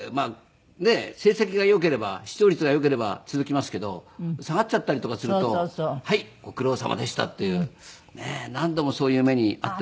成績がよければ視聴率がよければ続きますけど下がっちゃったりとかすると「はい。ご苦労さまでした」って。何度もそういう目に遭って。